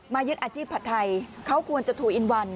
ยึดอาชีพผัดไทยเขาควรจะถูกอินวัน